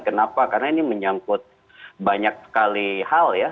kenapa karena ini menyangkut banyak sekali hal ya